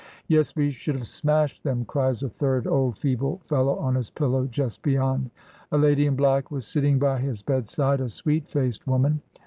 "Yes, we should have smashed them!" cries a third old feeble fellow on his pillow just beyond. A lady in black was sitting by his bedside, a sweet faced woman.